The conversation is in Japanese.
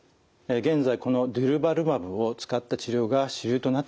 現在このデュルバルマブを使った治療が主流となってきています。